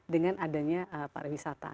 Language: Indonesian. dengan adanya pariwisata